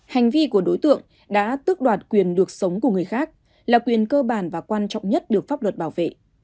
hành vi của đối tượng đã tước đoạt quyền được sống của người khác là quyền cơ bản và quan trọng nhất được pháp luật bảo vệ